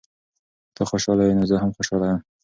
که ته خوشحاله یې، نو زه هم خوشحاله یم.